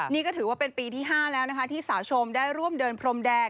นี่ก็ถือว่าเป็นปีที่๕แล้วนะคะที่สาวชมได้ร่วมเดินพรมแดง